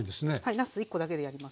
なす１コだけでやります。